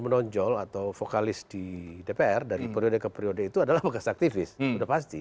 menonjol atau vokalis di dpr dari periode ke periode itu adalah bekas aktivis udah pasti